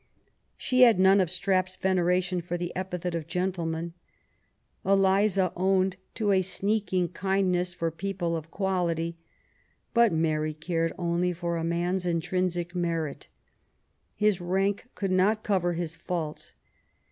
She had nolle of Strap's veneration for the epithet of gentleman. Eliza owned to a '* sneaking kindness for people of quality.'' But Mary cared ordj for a man's intrinsic merit. His rank could not cover his faults.